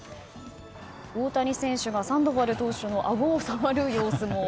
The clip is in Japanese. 大谷選手がサンドバル投手のあごを触る様子も。